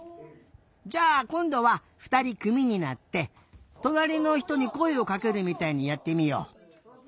じゃあこんどはふたりくみになってとなりのひとにこえをかけるみたいにやってみよう。